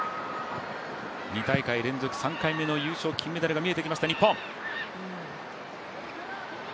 ２大会連続、３回目の優勝、金メダルが見えてきました、日本。